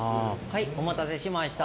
お待たせしました。